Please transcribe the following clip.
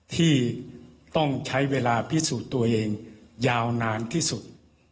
ที่ต้องใช้เวลาพิสูจน์ตัวเองยาวนานที่สุด